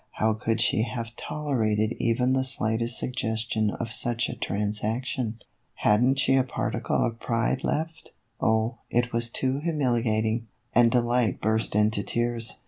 How could she have tolerated even the slightest suggestion of such a transaction ? Had n't 122 THE EVOLUTION OF A BONNET. she a particle of pride left ? Oh, it was too humili ating! and Delight burst into tears.